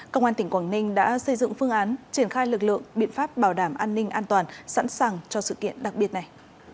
công an tỉnh quảng ninh đã xây dựng phương án triển khai lực lượng biện pháp bảo đảm an ninh an toàn sẵn sàng cho sự kiện đặc biệt này